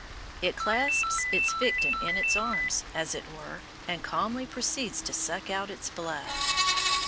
It clasps its victim in its arms, as it were, and calmly proceeds to suck out its blood.